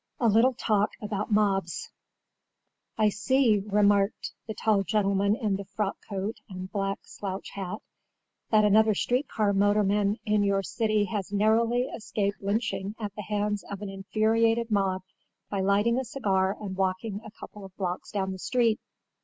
A LITTLE TALK ABOUT MOBS "I see," remarked the tall gentleman in the frock coat and black slouch hat, "that another street car motorman in your city has narrowly excaped lynching at the hands of an infuriated mob by lighting a cigar and walking a couple of blocks down the street."